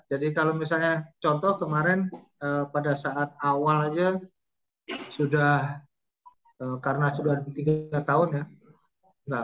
jadi kalau misalnya contoh kemarin pada saat awal aja sudah karena sudah tiga tahun ya